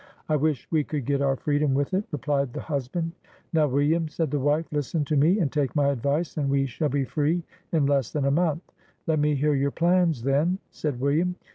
"I wish we could get our freedom with it," replied the husband. " Now, William," said the wife, " listen to me, and take my advice, and we shall be free in less than a month." " Let me hear your plans, then," said William.